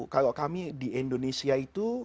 kalau kami di indonesia itu